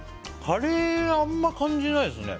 カレー、あんまり感じないですね。